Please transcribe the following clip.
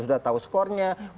sudah tahu skornya